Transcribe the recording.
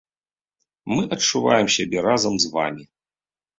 Мы адчуваем сябе разам з вамі!